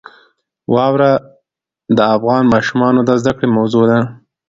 واوره د افغان ماشومانو د زده کړې موضوع ده.